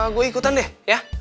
gue ikutan deh ya